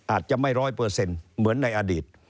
อาจจะไม่ร้อยเปอร์เซ็นต์เหมือนในอดีต